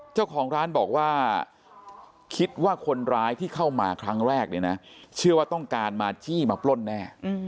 เจ้าของร้านบอกว่าคิดว่าคนร้ายที่เข้ามาครั้งแรกเนี่ยนะเชื่อว่าต้องการมาจี้มาปล้นแน่